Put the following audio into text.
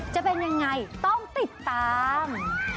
จะเป็นยังไงต้องติดตาม